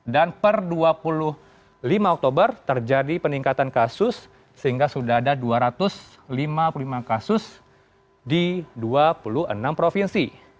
dan per dua puluh lima oktober terjadi peningkatan kasus sehingga sudah ada dua ratus lima puluh lima kasus di dua puluh enam provinsi